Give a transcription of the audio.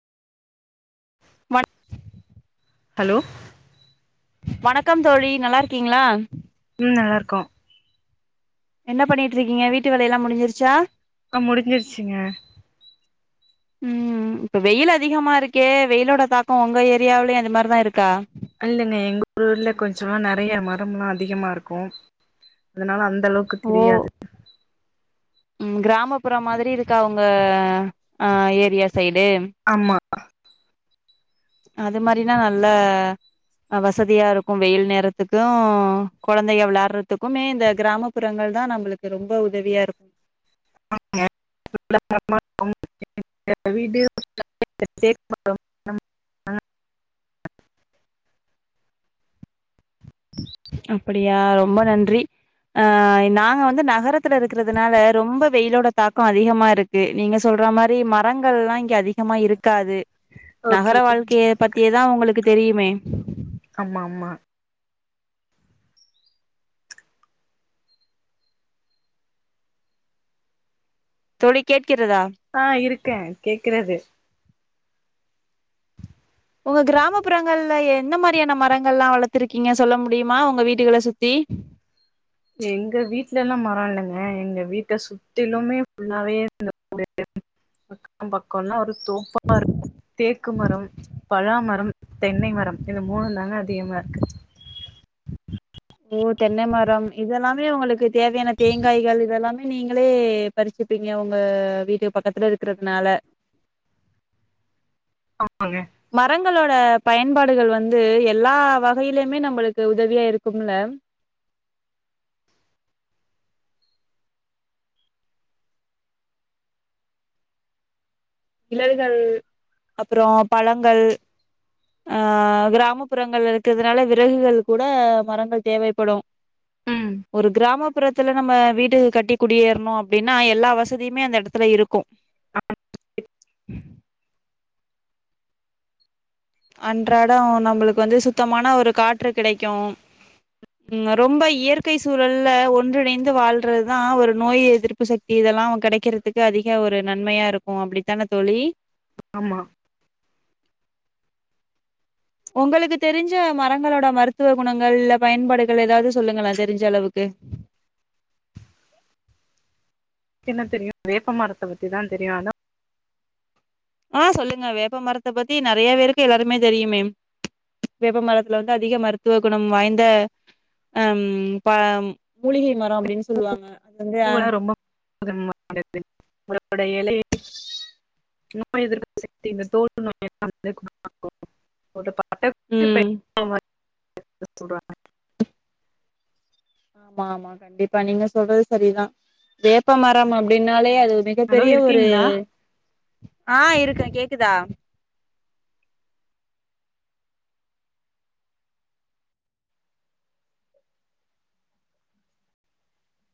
ம ஹலோ வணக்கம் தோழி நல்லாருக்கீங்களா ம் நல்லாருக்கோ என்ன பண்ணிட்ருக்கீங்க வீட்டு வேலையெல்லா முடிஞ்சிருச்சா ஆ முடிஞ்சிருச்சுங்க ம் இப்ப வெயில் அதிகமா இருக்கே வெயிலோட தாக்க ஒங்க ஏரியாவ்லயு அது மாரிதா இருக்கா இல்லைங்க எங்க ஊர்ல கொஞ்சமா நெறைய மரம்ல்லா அதிகமா இருக்கு அதனால அந் அந்த அளவுக்கு ஓ தெரியாது ம் கிராமப்புற மாதிரி இருக்கா உங்க அ ஏரியா சைடு அ அது மாரினா நல்ல வசதியா இருக்கு வெயில் நேரத்துக்கு கொழந்தைக விளையாறதுக்குமே இந்த கிராமப்புறங்கள் தா நம்மளுக்கு ரொம்ப உதவியா இருக்கு [unintelligible] வீடியோ [unintelligible] [inaudible] அப்படியா ரொம்ப நன்றி ஆ நாங்க வந்து நகரத்துல இருக்கிறதுனால ரொம்ப வெயிலோட தாக்கோ அதிகமா இருக்கு நீங்க சொல்ற சொல்ற மாரி மரங்கள்லா இங்க அதிகமா இருக்காது நகர ஓகே வாழ்க்கைய பத்தியேதா உங்களுக்கு தெரியுமே ஆமா ஆமா தோழி கேட் ஆ இருக்கே கேக்குறது உங்க கிராமப்புறங்கள்ல என்ன மாரியான மரங்கள்லா வளத்துருக்கீங்க சொல்ல முடியுமா ஒங்க வீடுகள சுத்தி [inaudible] எங்க வீட்லல்லா மர இல்லங்க எங்க வீட்ட சுத்திலுமே ஃபுல்லாவே இருந்த பக்க பக்கம்னா ஒரு தோப்பாருக்கு தேக்கு மரம் பழாமரம் தென்னை மரம் இந்த மூணு தாங்க அதிகமா இருக்கு ஓ தென்னை மரம் இதெல்லாமே உங்களுக்கு தேவையான தேங்காய்கள் இதெல்லாம் நீங்களே பறிச்சுப்பீங்க உங்க வீட்டு பக்கத்துல இருக்கிறதுனால [inaudible] ஆமாங்க மரங்களோட பயன்பாடுகள் வந்து எல்லா வகையிலயுமே நம்மளுக்கு உதவியா இருக்கும்ல [inaudible] நிழல்கள் அப்றோ பழங்கள் அ கிராமப்புறங்கள் இருக்கிறதுனால விறகுகள் கூட மரங்கள் தேவைப்படும் ம் ஒரு கிராமப் புறத்துல நம்ம வீடு கட்டி குடியேறணும் அப்படின்னா எல்லா வசதியுமே அந்த எடத்துல இருக்கும் [inaudible] அன்றாட நம்மளுக்கு வந்து சுத்தமான ஒரு காற்று கிடைக்கு ம் ரொம்ப இயற்கை சூழல்ல ஒன்றிணைந்து வாழ்றதுதா ஒரு நோய் எதிர்ப்பு சக்தி லா கெடக்கிறதுக்கு அதிக ஒரு நன்மையா இருக்கும் அப்படித்தானே தோழி ஆமா உங்களுக்கு தெரிஞ்ச மரங்களோட மருத்துவ குணங்கள் இல்ல பயன்பாடுகள் ஏதாவது சொல்லுங்களே தெரிஞ்ச அளவுக்கு [inaudible] என்ன தெரியு வேப்பமரத்த பத்திதா தெரியு அதா ஆ சொல்லுங்க வேப்ப மரத்த பத்தி நெறைய பேருக்கு எல்லாருமே தெரியுமே வேப்ப மரத்துல வந்து அதிக மருத்துவ குணம் வாய்ந்த ம் ப மூலிகை மர அப்படின் சொல்லுவாங்க [unintelligible] [inaudible] களோட எலை நோய் எதிர்ப்பு சக்தி இந்த தோல் நோய் எல்லா வந்து குணமாகு ஒரு ம் [inaudible] ஆமா ஆமா கண்டிப்பா நீங்க சொல்றது சரிதான் வேப்ப மரம் அப்படின்னா பழய அது ஹலோ மிகப்பெரிய ஒரு இருக்கீங்களா ஆ இருக்கே கேக்குதா